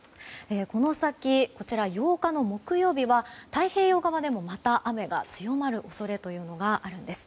この先、８日の木曜日は太平洋側でもまた雨が強まる恐れがあるんです。